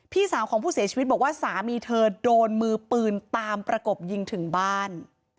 พี่สาวของผู้เสียชีวิตบอกว่าสามีเธอโดนมือปืนตามประกบยิงถึงบ้าน